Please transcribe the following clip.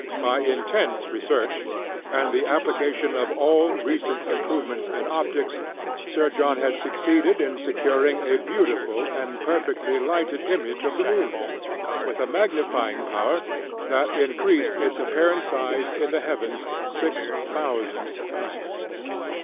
By intense research and the application of all recent improvements in optics, Sir John had succeeded in securing a beautiful and perfectly lighted image of the moon with a magnifying power that increased its apparent size in the heavens six thousand times.